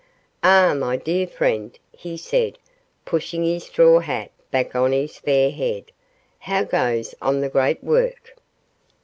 'Ah, my dear friend,' he said, pushing his straw hat back on his fair head; 'how goes on the great work?